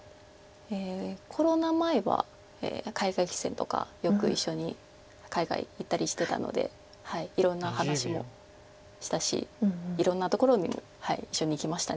コロナ前は海外棋戦とかよく一緒に海外行ったりしてたのでいろんな話もしたしいろんな所にも一緒に行きました。